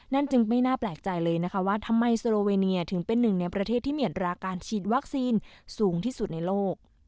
จึงไม่น่าแปลกใจเลยนะคะว่าทำไมโซโลเวเนียถึงเป็นหนึ่งในประเทศที่มีอัตราการฉีดวัคซีนสูงที่สุดในโลก